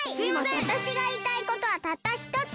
わたしがいいたいことはたったひとつ！